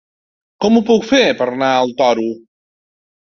Com ho puc fer per anar al Toro?